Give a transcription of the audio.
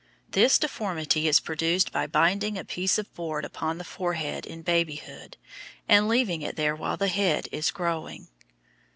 This deformity is produced by binding a piece of board upon the forehead in babyhood and leaving it there while the head is growing.